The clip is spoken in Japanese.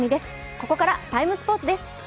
ここから「ＴＩＭＥ，スポーツ」です。